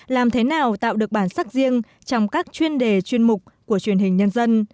làm thế nào tạo được bản sắc riêng trong các chuyên đề chuyên mục của truyền hình nhân dân